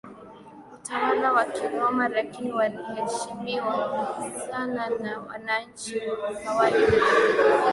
utawala wa Kiroma Lakini waliheshimiwa sana na wananchi wa kawaida